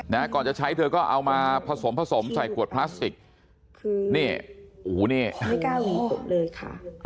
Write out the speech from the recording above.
นะฮะก่อนจะใช้เธอก็เอามาผสมผสมใส่ขวดพลาสติกนี่อู๋นี่เลยค่ะ